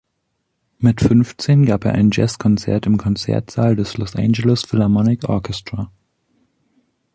Mit fünfzehn gab er ein Jazz-Konzert im Konzertsaal des Los Angeles Philharmonic Orchestra.